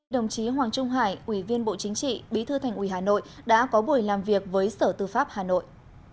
đồng chí hoàng trung hải ủy viên bộ chính trị bí thư thành ủy hà nội đã có buổi làm việc với sở tư pháp hà nội